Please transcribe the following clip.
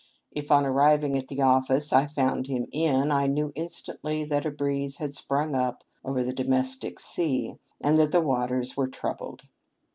If, on arriving at the office, I found him in, I knew instantly that a breeze had sprung up over the domestic sea, and that the waters were troubled.